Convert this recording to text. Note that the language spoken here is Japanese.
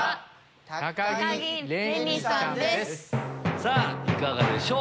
さぁいかがでしょう？